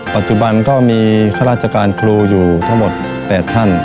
ปัจจุบันก็มีข้าราชการครูอยู่ทั้งหมด๘ท่าน